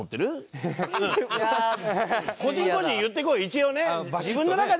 個人個人言っていこう一応ね。